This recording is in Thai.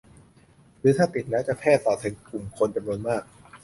หรือถ้าติดแล้วจะแพร่ต่อถึงกลุ่มคนจำนวนมาก